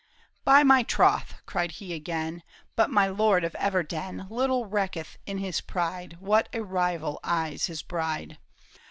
" By my troth," cried he again, " But my lord of Everden Little recketh in his pride What a rival eyes his bride.